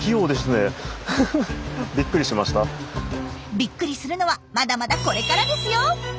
びっくりするのはまだまだこれからですよ。